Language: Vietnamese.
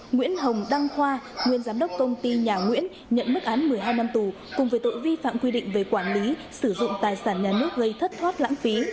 nguyễn hồng đăng khoa nguyên giám đốc công ty nhà nguyễn nhận mức án một mươi hai năm tù cùng với tội vi phạm quy định về quản lý sử dụng tài sản nhà nước gây thất thoát lãng phí